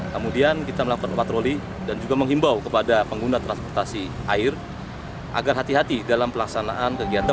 kemudian kita melakukan patroli dan juga menghimbau kepada pengguna transportasi air agar hati hati dalam pelaksanaan kegiatan